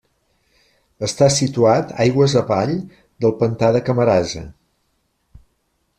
Està situat aigües avall del pantà de Camarasa.